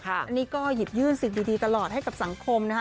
อันนี้ก็หยิบยื่นสิ่งดีตลอดให้กับสังคมนะคะ